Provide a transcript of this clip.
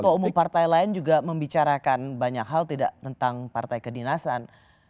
ketua umum partai lain juga membicarakan banyak hal tidak tentang partai kedinasan